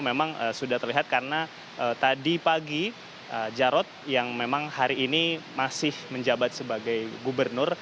memang sudah terlihat karena tadi pagi jarod yang memang hari ini masih menjabat sebagai gubernur